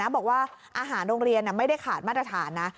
บอกว่าอาหารโรงเรียนไม่ได้ขาดมาตรฐานนะ